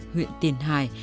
huyện tiền hải